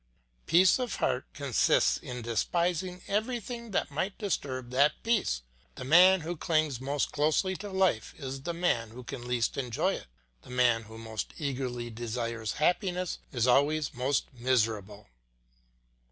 Peace of heart consists in despising everything that might disturb that peace; the man who clings most closely to life is the man who can least enjoy it; and the man who most eagerly desires happiness is always most miserable."